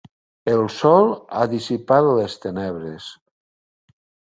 El sol ha dissipat les tenebres.